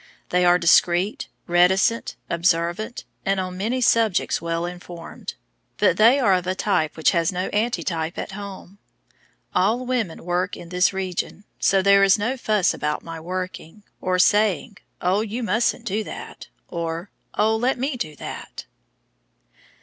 They are discreet, reticent, observant, and on many subjects well informed, but they are of a type which has no antitype at home. All women work in this region, so there is no fuss about my working, or saying, "Oh, you mustn't do that," or "Oh, let me do that."